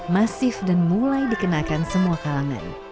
masif dan mulai dikenakan semua kalangan